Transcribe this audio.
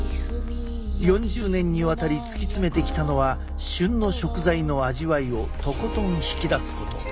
４０年にわたり突き詰めてきたのは旬の食材の味わいをとことん引き出すこと。